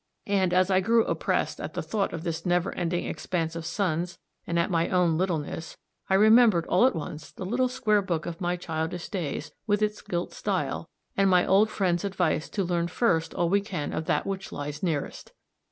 And, as I grew oppressed at the thought of this never ending expanse of suns and at my own littleness, I remembered all at once the little square book of my childish days with its gilt stile, and my old friend's advice to learn first all we can of that which lies nearest.